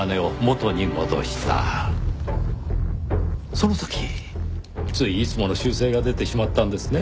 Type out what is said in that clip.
その時ついいつもの習性が出てしまったんですね。